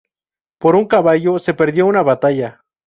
Por un caballo, se perdió una batalla